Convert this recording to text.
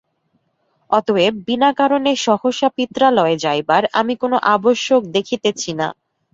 অতএব বিনা কারণে সহসা পিত্রালয়ে যাইবার আমি কোন আবশ্যক দেখিতেছি না।